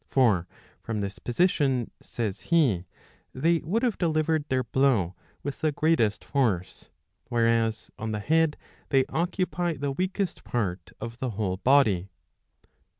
For from this position, says he, they would have delivered their blow with the greatest force, whereas on the head they occupy the weakest part of the whole body.